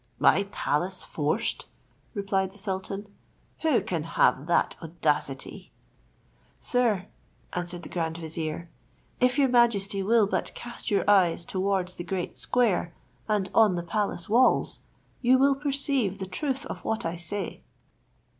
"My palace forced!" replied the sultan; "who can have that audacity?" "Sir," answered the grand vizier, "if your majesty will but cast your eyes towards the great square, and on the palace walls, you will perceive the truth of what I say."